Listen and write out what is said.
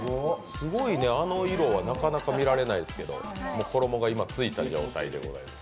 すごいね、あの色はなかなか見られないですけど衣が今ついた状態でございます。